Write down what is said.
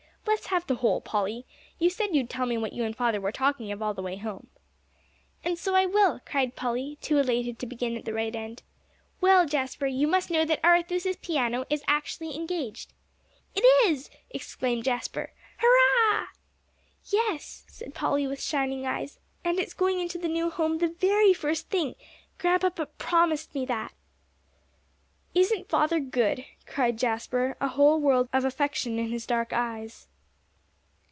"Let's have the whole, Polly. You said you'd tell me what you and father were talking of all the way home." "And so I will," cried Polly, too elated to begin at the right end. "Well, Jasper, you must know that Arethusa's piano is actually engaged." "It is!" exclaimed Jasper. "Hurrah!" "Yes," said Polly, with shining eyes, "and it's going into the new home the very first thing. Grandpapa promised me that." "Isn't father good!" cried Jasper, a whole world of affection in his dark eyes.